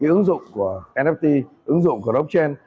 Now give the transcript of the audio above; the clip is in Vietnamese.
ứng dụng của nft ứng dụng của blockchain